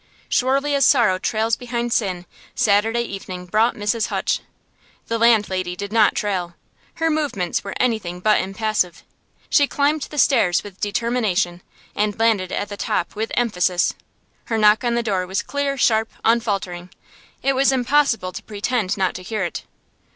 Surely as sorrow trails behind sin, Saturday evening brought Mrs. Hutch. The landlady did not trail. Her movements were anything but impassive. She climbed the stairs with determination and landed at the top with emphasis. Her knock on the door was clear sharp, unfaltering; it was impossible to pretend not to hear it.